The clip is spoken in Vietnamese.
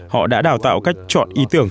họ đã đào tạo cách chọn ý tưởng